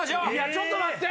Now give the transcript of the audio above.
ちょっと待って！